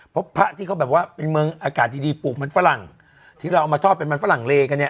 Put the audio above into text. พระที่เขาแบบว่าเป็นเมืองอากาศดีดีปลูกมันฝรั่งที่เราเอามาทอดเป็นมันฝรั่งเลกันเนี่ย